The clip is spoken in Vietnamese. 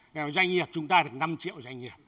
nghèo doanh nghiệp chúng ta được năm triệu doanh nghiệp